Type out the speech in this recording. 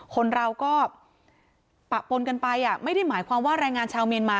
คนเราก็ปะปนกันไปไม่ได้หมายความว่าแรงงานชาวเมียนมา